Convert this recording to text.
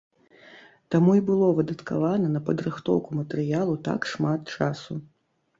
Таму і было выдаткавана на падрыхтоўку матэрыялу так шмат часу.